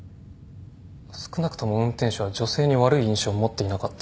少なくとも運転手は女性に悪い印象を持っていなかった。